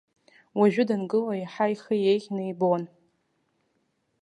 Уажәы дангыло еиҳа ихы еиӷьны ибон.